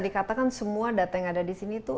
dikatakan semua data yang ada di sini itu